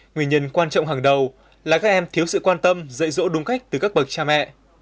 nguyên nhân quan trọng hàng đầu là các em thiếu sự quan tâm dạy dỗ đúng cách từ các bậc cha mẹ